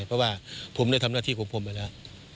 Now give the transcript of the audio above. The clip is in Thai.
เพราะว่าผมได้ทำหน้าที่ของผมไปแล้ว